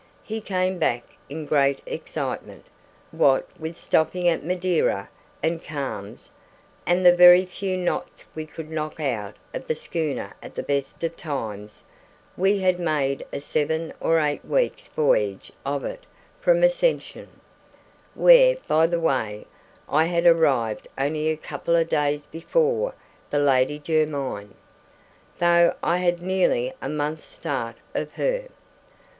He came back in great excitement. What with stopping at Madeira, and calms, and the very few knots we could knock out of the schooner at the best of times, we had made a seven or eight weeks' voyage of it from Ascension where, by the way, I had arrived only a couple of days before the Lady Jermyn, though I had nearly a month's start of her.